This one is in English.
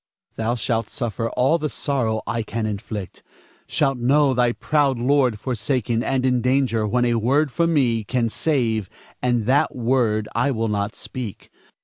Thou shalt suffer all the sorrow I can inflict, shalt know thy proud lord forsaken and in danger when a word from me can save, and that word I will not speak.